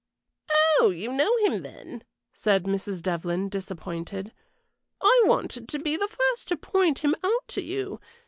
"Oh, you know him, then!" said Mrs. Devlyn, disappointed. "I wanted to be the first to point him out to you.